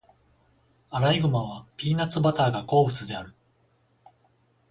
アライグマはピーナッツバターが好物である。